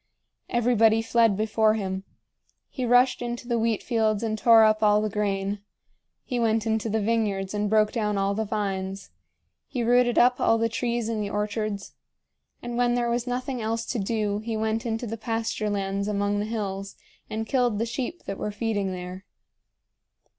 Everybody fled before him. He rushed into the wheat fields and tore up all the grain; he went into the vineyards and broke down all the vines; he rooted up all the trees in the orchards; and, when there was nothing else to do, he went into the pasture lands among the hills and killed the sheep that were feeding there.